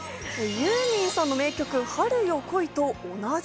ユーミンさんの名曲、『春よ、来い』と同じ？